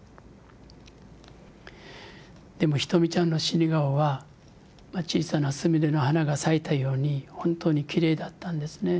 でもひとみちゃんの死に顔は小さなすみれの花が咲いたように本当にきれいだったんですね。